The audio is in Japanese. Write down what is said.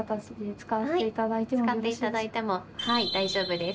使っていただいても大丈夫です。